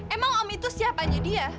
emang om itu siapanya dia